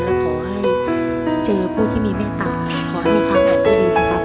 และขอให้เจอผู้ที่มีเมตตาขอให้มีทางแผนที่ดีนะครับ